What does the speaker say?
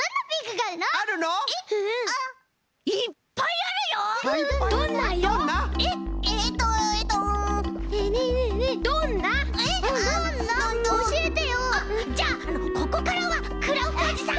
あっじゃあここからはクラフトおじさん